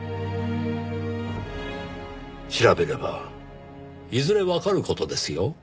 調べればいずれわかる事ですよ。